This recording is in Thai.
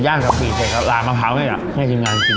จะย่างสับครีสอะไรลามะพร้าวไทยล่ะให้ทีมงานกิน